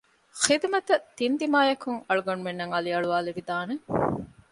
ޚިދުމަތަށް ތިން ދިމާޔަކުން އަޅުގަނޑުމެންނަށް އަލިއަޅުވައިލެވިދާނެ